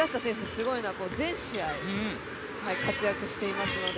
すごいのは全試合、活躍していますので。